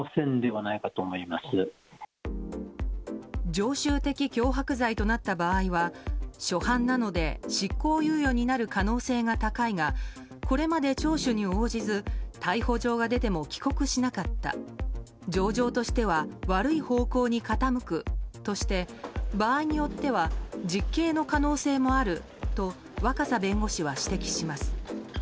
常習的脅迫罪となった場合は初犯なので執行猶予になる可能性が高いがこれまで聴取に応じず逮捕状が出ても帰国しなかった情状としては悪い方向に傾くとして場合によっては実刑の可能性もあると若狭弁護士は指摘します。